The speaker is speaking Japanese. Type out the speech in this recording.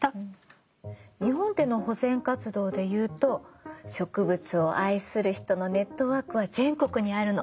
日本での保全活動で言うと植物を愛する人のネットワークは全国にあるの。